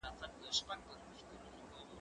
زه له سهاره کاغذ ترتيب کوم!؟